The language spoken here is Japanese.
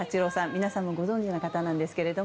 皆さんもご存じの方なんですけど。